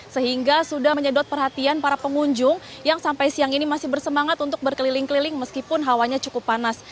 sehingga sudah menyedot perhatian para pengunjung yang sampai siang ini masih bersemangat untuk berkeliling keliling meskipun hawanya cukup panas